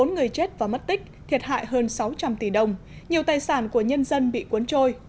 bốn người chết và mất tích thiệt hại hơn sáu trăm linh tỷ đồng nhiều tài sản của nhân dân bị cuốn trôi